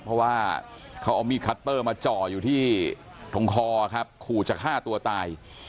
เพราะว่าเขาเอามีดคัตเตอร์มาจ่ออยู่ที่ทงคอครับขู่จะฆ่าตัวตาย